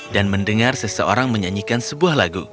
dan mendengar seseorang menyanyikan sebuah lagu